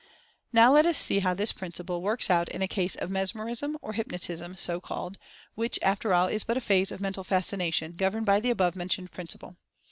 Now let us see how this principle works out in a case of Mesmerism, or Hypnotism, so called, which after all is but a phase of Mental Fascination, gov erned by the above mentioned principle.